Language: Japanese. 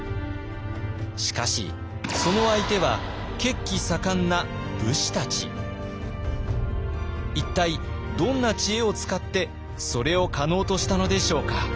しかしその相手は一体どんな知恵を使ってそれを可能としたのでしょうか。